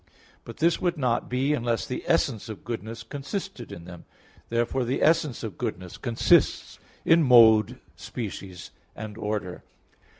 But this would not be unless the essence of goodness consisted in them. Therefore the essence of goodness consists in mode, species and order.